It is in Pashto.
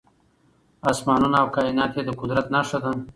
اسمانونه او کائنات يې د قدرت نښه ده .